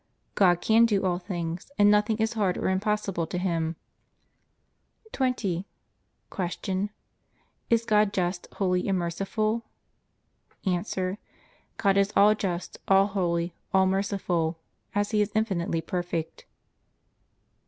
God can do all things, and nothing is hard or impossible to Him. 20. Q. Is God just, holy, and merciful? A. God is all just, all holy, all merciful, as He is infinitely perfect.